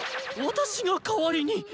私が代わりに。